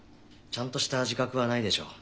ちゃんとした自覚はないでしょう。